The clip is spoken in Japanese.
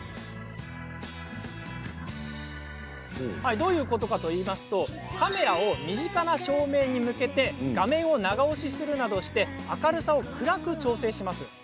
どういうことかというとカメラを身近な照明に向けて画面を長押しするなど明るさを暗く調整します。